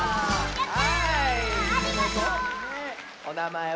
やった！